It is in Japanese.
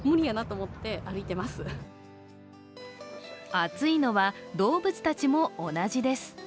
暑いのは動物たちも同じです。